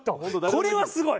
これはすごい。